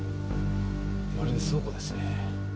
まるで倉庫ですね。